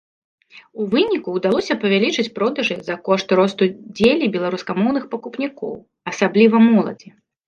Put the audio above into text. У выніку ўдалося павялічыць продажы за кошт росту дзелі беларускамоўных пакупнікоў, асабліва моладзі.